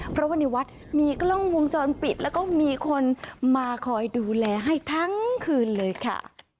เพราะว่าในวัดมีกล้องวงจรปิดแล้วก็มีคนมาคอยดูแลให้ทั้งคืนเลยค่ะ